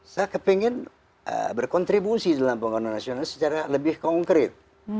saya kepingin berkontribusi dalam pengguna nasional secara lebih konkret